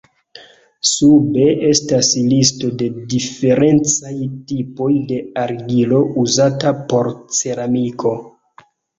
Sube estas listo de diferencaj tipoj de argilo uzata por ceramiko.